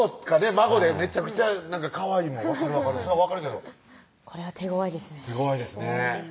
孫でめちゃくちゃかわいいもん分かる分かるそら分かるけどこれは手ごわいですね手ごわいですね